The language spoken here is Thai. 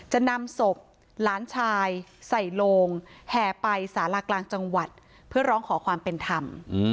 จะนำศพหลานชายใส่โลงแห่ไปสารากลางจังหวัดเพื่อร้องขอความเป็นธรรม